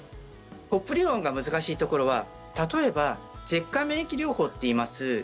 コップ理論が難しいところは例えば舌下免疫療法といいます